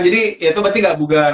jadi itu berarti gak bugar